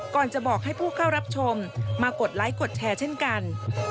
ก่อนจะบอกให้ผู้เข้ารับชมมากดไลค์กดแชร์เช่นกัน